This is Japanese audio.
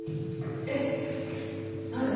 えっなぜ？